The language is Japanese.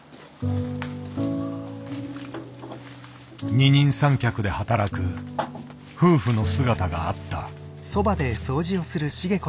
二人三脚で働く夫婦の姿があった。